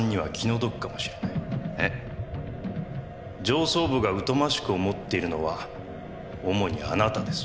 上層部が疎ましく思っているのは主にあなたです。